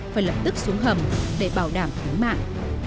phải lập tức xuống hầm để bảo đảm tính mạng